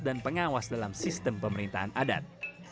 dan pengawas dalam sistem pemerintahan adat